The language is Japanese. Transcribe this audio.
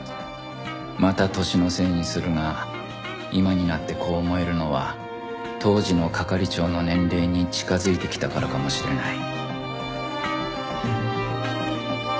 また年のせいにするが今になってこう思えるのは当時の係長の年齢に近づいてきたからかもしれない